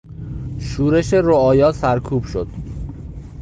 شورش رعایا سرکوب شد.